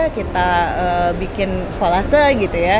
kita bikin volase gitu ya